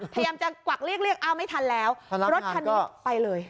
พยายามจะกวักเรียกอ้าวไม่ทันแล้วรถคันนี้ไปเลย